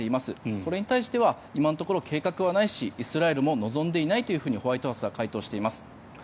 これに対しては今のところ計画はないしイスラエルも望んでいないとホワイトハウスは回答しています。